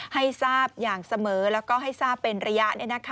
ให้ทราบอย่างเสมอแล้วก็ให้ทราบเป็นระยะ